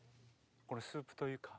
これスープというか。